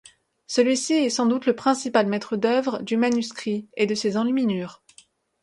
Celui-ci est sans doute le principal maître d'œuvre du manuscrit et de ses enluminures.